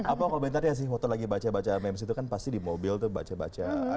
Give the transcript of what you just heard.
apa komentarnya sih waktu lagi baca baca memes itu kan pasti di mobil tuh bisa di follow ya